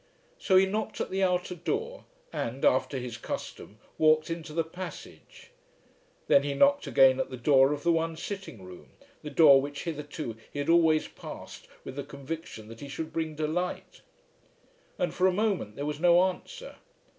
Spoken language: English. So he knocked at the outer door and, after his custom, walked into the passage. Then he knocked again at the door of the one sitting room, the door which hitherto he had always passed with the conviction that he should bring delight, and for a moment there was no answer.